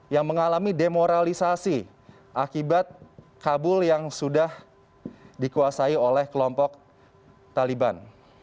yang mengalami demoralisasi akibat kabul yang sudah dikuasai oleh kelompok taliban